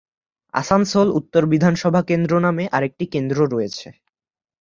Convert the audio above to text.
আসানসোল উত্তর বিধানসভা কেন্দ্র নামে আরেকটি কেন্দ্র রয়েছে।